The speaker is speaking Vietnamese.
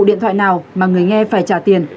điện thoại nào mà người nghe phải trả tiền